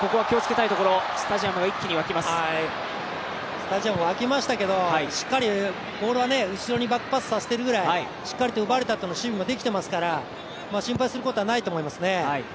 スタジアム沸きましたけどしっかりボールはバックパスさせているくらい、奪われたあとも守備もできてますから心配することもないと思いますね。